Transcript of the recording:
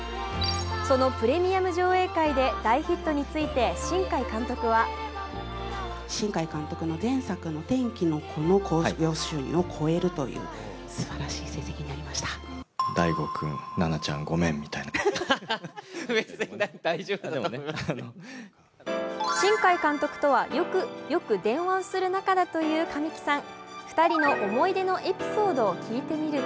そのプレミアム上映会で大ヒットについて、新海監督は新海監督とはよく電話をする仲だという神木さん。